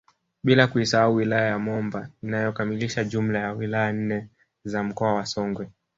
Bila kuisahau wilaya ya Momba inayokamilisha jumla ya wilaya nne za mkoa wa Songwe